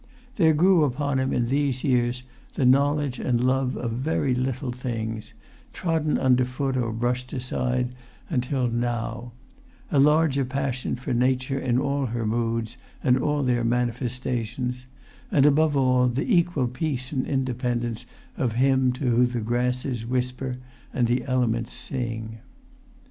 There grew upon him in these years the knowledge and love of very little things, trodden under foot or brushed aside until now; a larger passion for nature in all her moods, and all their manifestations; and, above all, the equal peace and independence of him to whom the grasses whisper and the elements sing.